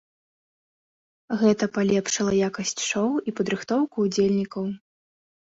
Гэта палепшыла якасць шоу і падрыхтоўку ўдзельнікаў.